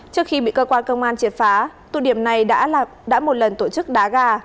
trước khi bị cơ quan công an triệt phá tụ điểm này đã một lần tổ chức đá gà